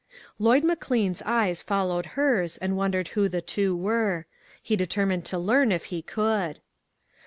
Lloyd McLean's eyes followed hers, and wondered who the two were. He deter mined to learn, if he could.